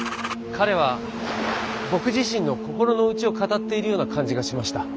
彼は僕自身の心の内を語っているような感じがしました。